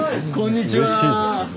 うれしいですよね。